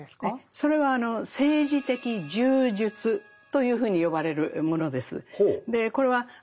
それは「政治的柔術」というふうに呼ばれるものです。